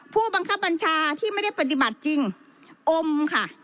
ผู้บังคับบัญชาที่ไม่ได้ปฏิบัติจริงอมค่ะ